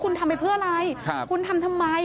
คุณทำไปเพื่ออะไรคุณทำทำไม